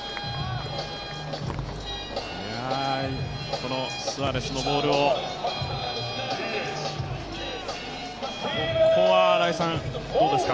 このスアレスのボールを、ここは新井さん、どうですか？